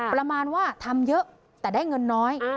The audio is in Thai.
ประมาณว่าทำเยอะแต่ได้เงินน้อย